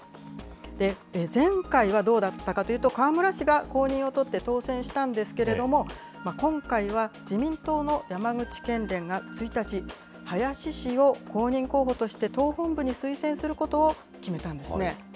前回はどうだったかというと、河村氏が公認を取って当選したんですけれども、今回は、自民党の山口県連が１日、林氏を公認候補として党本部に推薦することを決めたんですね。